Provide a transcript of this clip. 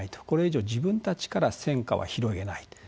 これ以上自分たちから戦禍は広げない。